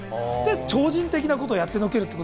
超人的なことをやってのける。